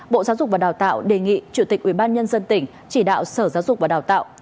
bộ giáo dục và đào tạo đề nghị chủ tịch ubnd tỉnh chỉ đạo sở giáo dục và đào tạo